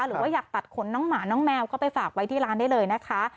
หรือว่าอยากตัดขนน้องหมาน้องแมวก็ไปฝากไว้ที่ร้านได้เลยนะคะ